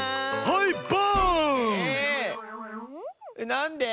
なんで？